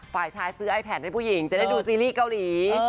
ฝ่ายชายซื้อไอแผ่นให้ผู้หญิงจะได้ดูซีรีส์เกาหลี